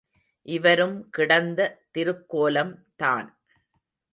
இவரும் கிடந்த திருக்கோலம் தான்.